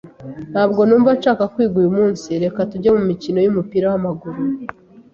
Ntabwo numva nshaka kwiga uyu munsi. Reka tujye mumikino yumupira wamaguru.